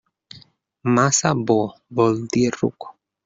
Massa bo, vol dir ruc.